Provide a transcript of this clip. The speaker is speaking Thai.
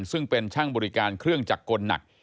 ซึ่งเป็นช่างบริการเครื่องจักรกลหนัก